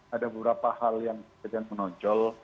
ada beberapa hal yang menonjol